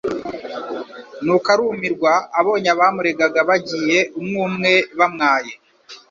Nuko arumirwa abonye abamuregaga bagiye umwe umwe bamwaye;